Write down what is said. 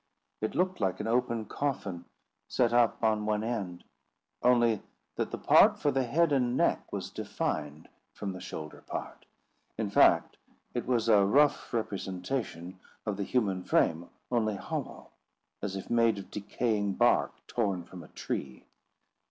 It looked like an open coffin set up on one end; only that the part for the head and neck was defined from the shoulder part. In fact, it was a rough representation of the human frame, only hollow, as if made of decaying bark torn from a tree.